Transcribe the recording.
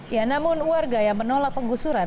ya namun warga yang menolak penggusuran